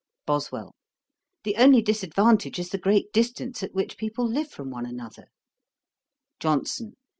BOSWELL. 'The only disadvantage is the great distance at which people live from one another.' JOHNSON.